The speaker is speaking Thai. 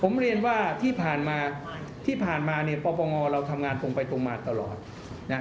ผมเรียนว่าที่ผ่านมาที่ผ่านมาเนี่ยปปงเราทำงานตรงไปตรงมาตลอดนะ